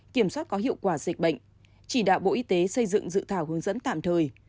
kiểm soát có hiệu quả dịch bệnh chỉ đạo bộ y tế xây dựng dự thảo hướng dẫn tạm thời